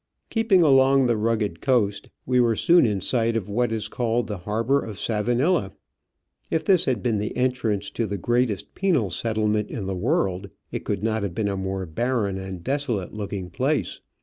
Keeping along the rugged coast, we were soon in sight of what is called the harbour of Savanilla. If this had been the entrance to the greatest penal settlement in the world it could not have been a more barren and desolate looking place.